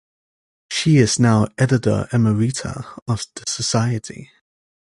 She is now Editor Emerita of the Society.